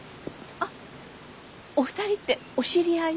あっお二人ってお知り合い？